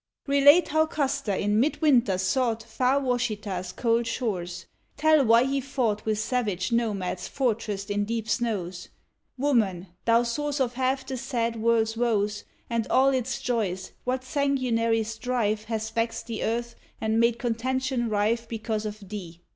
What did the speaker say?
Relate how Custer in midwinter sought Far Washita's cold shores; tell why he fought With savage nomads fortressed in deep snows. Woman, thou source of half the sad world's woes And all its joys, what sanguinary strife Has vexed the earth and made contention rife Because of thee!